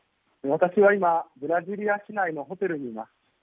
私は今ブラジリア市内のホテルにいます。